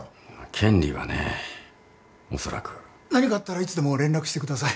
権利はねおそらく。何かあったらいつでも連絡してください。